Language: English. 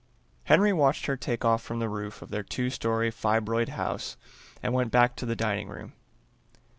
Henry watched her takeoff from the roof of their two story fibroid house and went back to the dining room.